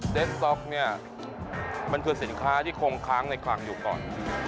สต๊อกเนี่ยมันคือสินค้าที่คงค้างในคลังอยู่ก่อน